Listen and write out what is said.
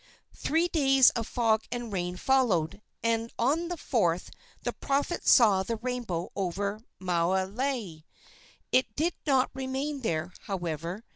Three days of fog and rain followed, and on the fourth the prophet saw the rainbow over Maunalei. It did not remain there, however.